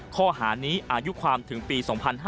ข้อหานี้อายุความถึงปี๒๕๕๙